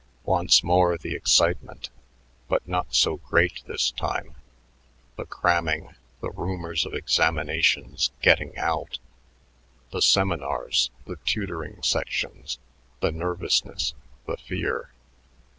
Once more the excitement, but not so great this time, the cramming, the rumors of examinations "getting out," the seminars, the tutoring sections, the nervousness, the fear.